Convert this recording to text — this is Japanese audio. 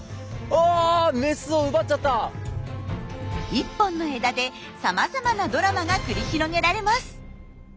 １本の枝でさまざまなドラマが繰り広げられます。